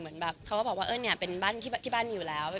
เหมือนแบบเขาก็บอกว่าเออเนี่ยเป็นบ้านที่บ้านมีอยู่แล้ว